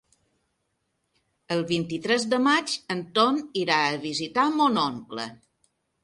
El vint-i-tres de maig en Ton irà a visitar mon oncle.